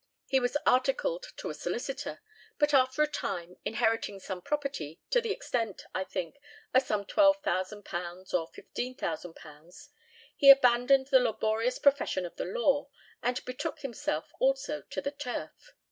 He was articled to a solicitor; but after a time, inheriting some property, to the extent, I think, of some £12,000 or £15,000, he abandoned the laborious profession of the law, and betook himself also to the turf.